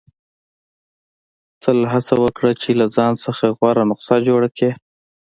• تل هڅه وکړه چې له ځان څخه غوره نسخه جوړه کړې.